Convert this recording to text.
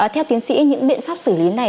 theo tiến sĩ những biện pháp xử lý này